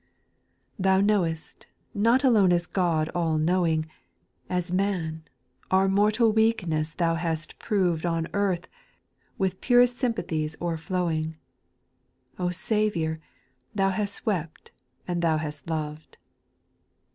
Thou knowest," not alone as God all knowing, As man, our mortal weakness Thou hast proved On earth, with purest sympathies o'erflowing, O Saviour, Thou hast wept, and Thou hast loved